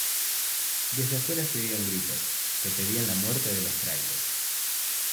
Desde afuera se oían gritos que pedían la muerte de los frailes.